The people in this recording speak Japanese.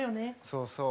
そうそう。